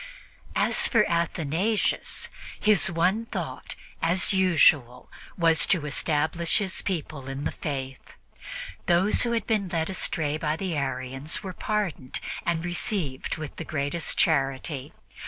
As for Athanasius, his one thought, as usual, was to establish his people in the Faith. Those who had been led astray by the Arians were pardoned and received with the greatest charity.